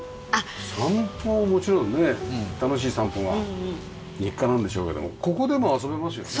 散歩ももちろんね楽しい散歩が日課なんでしょうけどもここでも遊べますよね。